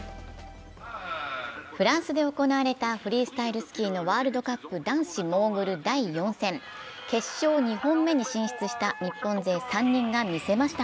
フランスで行われたフリースタイルスキーのワールドカップ男子モーグル第４戦決勝２本目に進出した日本勢３人が見せました。